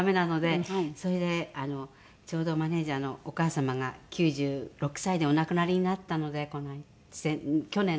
それでちょうどマネジャーのお母様が９６歳でお亡くなりになったのでこの間去年ですか。